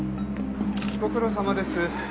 ご苦労さまです。